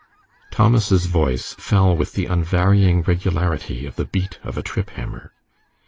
Thomas's voice fell with the unvarying regularity of the beat of a trip hammer.